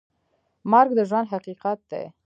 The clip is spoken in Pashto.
مرګ د ژوند حقیقت دی؟